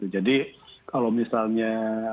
jadi kalau misalnya